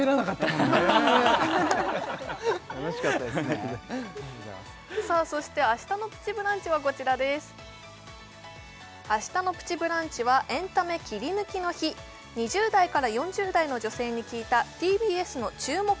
ありがとうございますそして明日の「プチブランチ」はこちらです明日の「プチブランチ」はエンタメ切り抜きの日２０代から４０代の女性に聞いたＴＢＳの注目